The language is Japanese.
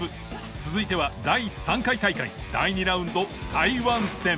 続いては第３回大会第２ラウンド台湾戦。